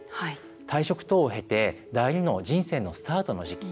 退職等を経て第２の人生のスタートの時期。